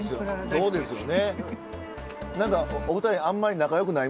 そうですよね。